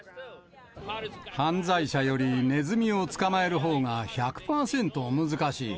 犯罪者よりネズミを捕まえるほうが１００％難しい。